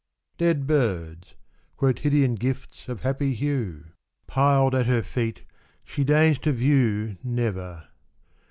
Dead birds. Quotidian gifts of happy hue, 25 Piled at her feet, she deigns to view Never.